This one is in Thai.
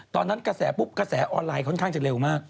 ตอนนั้นกระแสออนไลน์ค่อนข้างจะเร็วมาก